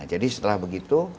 jadi setelah begitu